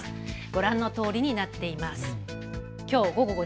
ご覧のとおりになっています。